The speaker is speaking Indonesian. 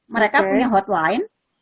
mereka punya hotline